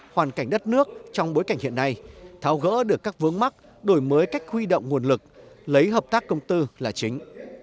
hoàn cảnh đất nước trong bối cảnh hiện nay tháo gỡ được các vướng mắt đổi mới cách huy động nguồn lực lấy hợp tác công tư là chính